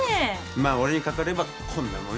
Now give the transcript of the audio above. まあ俺にかかればこんなもんよ。